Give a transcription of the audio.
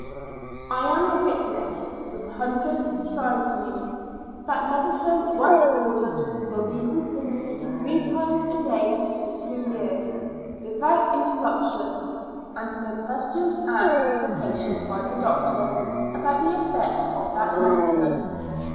I am a witness, with hundreds besides me, that medicine once ordered will be continued three times a day for two years, without interruption, and no questions asked the patient by the doctors about the effect of that medicine.